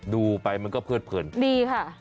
ดูไปมันก็เพิดเผินดีค่ะ